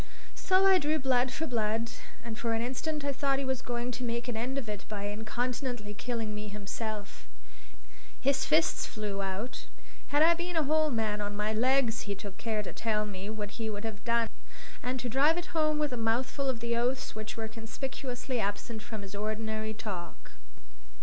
So I drew blood for blood; and for an instant I thought he was going to make an end of it by incontinently killing me himself. His fists flew out. Had I been a whole man on my legs, he took care to tell me what he would have done, and to drive it home with a mouthful of the oaths which were conspicuously absent from his ordinary talk.